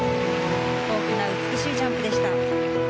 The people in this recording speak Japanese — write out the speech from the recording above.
大きな美しいジャンプでした。